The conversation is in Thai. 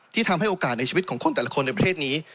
ทำให้โอกาสในชีวิตของคนแต่ละคนในประเทศนี้